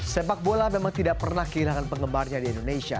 sepak bola memang tidak pernah kehilangan penggemarnya di indonesia